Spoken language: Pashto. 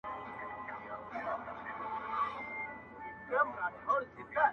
• ما یې د جلال او د جمال نښي لیدلي دي..